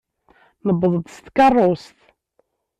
Nuweḍ-d s tkeṛṛust.